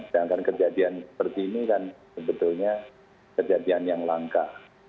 sedangkan kejadian seperti ini kan sebetulnya kejadian yang langka